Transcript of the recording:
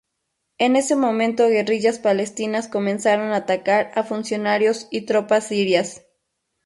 En ese momento guerrillas palestinas comenzaron a atacar a funcionarios y tropas sirias.